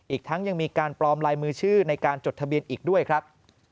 อีกทั้งยังมีการปลอมลายมือชื่อในการจดทะเบียนอีกด้วยครับ